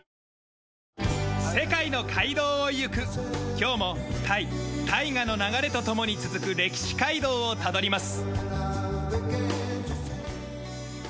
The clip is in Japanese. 今日もタイ大河の流れと共に続く歴史街道をたどります。